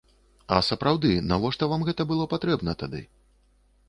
А сапраўды, навошта вам гэта было патрэбна тады?